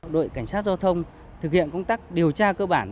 đội cảnh sát giao thông thực hiện công tác điều tra cơ bản